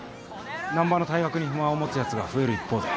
難破の退学に不満を持つやつが増える一方で。